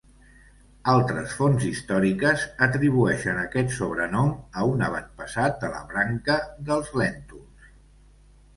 Altres fonts històriques atribueixen aquest sobrenom a un avantpassat de la branca dels Lèntuls.